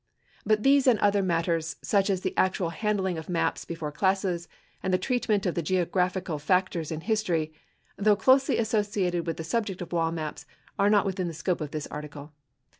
But these and other matters, such as the actual handling of maps before classes, and the treatment of the geographical factors in history, though closely associated with the subject of wall maps, are not within the scope of this article.